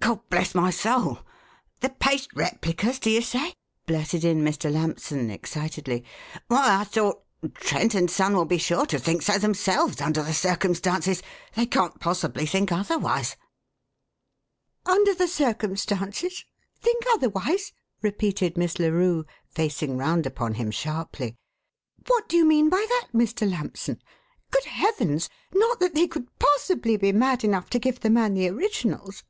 "God bless my soul! The paste replicas, do you say?" blurted in Mr. Lampson excitedly. "Why, I thought Trent & Son will be sure to think so themselves under the circumstances! They can't possibly think otherwise." "'Under the circumstances'? 'Think otherwise'?" repeated Miss Larue, facing round upon him sharply. "What do you mean by that, Mr. Lampson? Good heavens! not that they could possibly be mad enough to give the man the originals?"